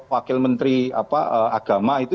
wakil menteri agama itu